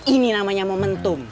ini namanya momentum